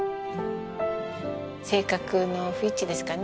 性格の不一致ですかね。